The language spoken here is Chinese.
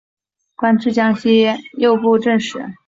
官至江西右布政使。